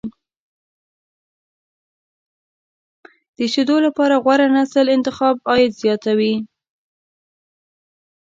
د شیدو لپاره غوره نسل انتخاب، عاید زیاتوي.